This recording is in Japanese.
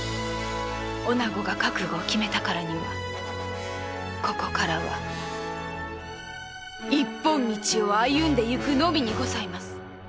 女子が覚悟を決めたからにはここからは一本道を歩んでいくのみにございます。